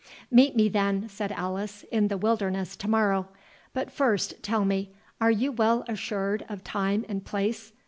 "Meet me, then," said Alice, "in the wilderness to morrow. But first tell me, are you well assured of time and place?